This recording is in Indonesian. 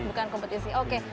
bukan kompetisi oke